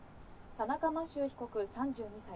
田中摩周被告３２歳。